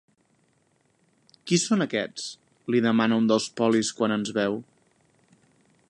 Qui són, aquests? —li demana un dels polis quan ens veu.